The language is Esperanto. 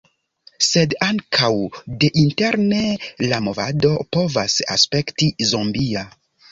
Sed ankaŭ deinterne la movado povas aspekti zombia.